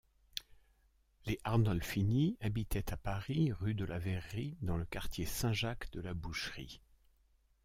Les Arnolfini habitaient à Paris, rue de la Verrerie, dans le quartier Saint-Jacques-de-la-Boucherie.